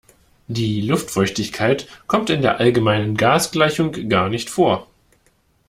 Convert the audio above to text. Die Luftfeuchtigkeit kommt in der allgemeinen Gasgleichung gar nicht vor.